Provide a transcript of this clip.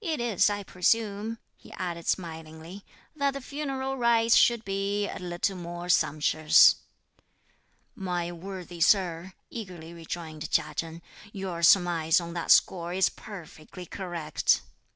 "It is, I presume," he added smilingly, "that the funeral rites should be a little more sumptuous." "My worthy sir," eagerly rejoined Chia Chen, "your surmise on that score is perfectly correct."